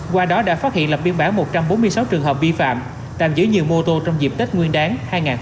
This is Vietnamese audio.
qua đó đã phát hiện lập biên bản một trăm bốn mươi sáu trường hợp vi phạm tạm giữ nhiều mô tô trong dịp tết nguyên đáng hai nghìn hai mươi bốn